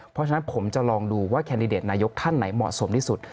เพราะฉะนั้นผมจะลองดูว่าแคนดิเดตนายกท่านไหนเหมาะสมที่สุด